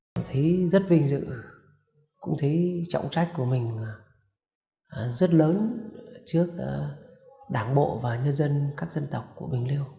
mình thấy rất vinh dự cũng thấy trọng trách của mình rất lớn trước đảng bộ và nhân dân các dân tộc của bình liêu